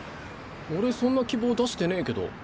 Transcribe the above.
俺そんな希望出してねぇけど。